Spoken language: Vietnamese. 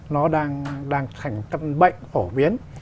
nó đang thành tâm bệnh phổ biến